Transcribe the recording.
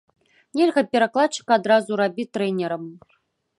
Нельга перакладчыка адразу рабіць трэнерам.